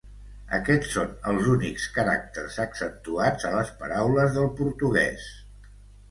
Aquests són els únics caràcters accentuats a les paraules del portuguès.